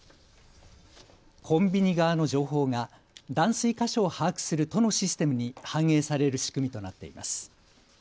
コンビニ側の情報が断水箇所を把握する都のシステムに反映される仕組みとなっています。